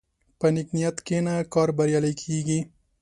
په نیک نیت کښېنه، کار بریالی کېږي.